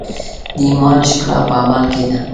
د ایمان ښکلا په عمل کې ده.